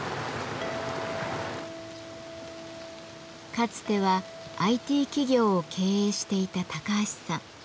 かつてはＩＴ企業を経営していた高橋さん。